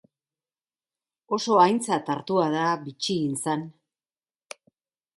Oso aintzat hartua da bitxigintzan.